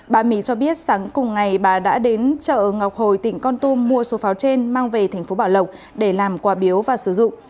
bà mị cho biết sáng cùng ngày bà đã đến chợ ngọc hồi tỉnh con tum mua số pháo trên mang về tp bảo lộc để làm quà biếu và sử dụng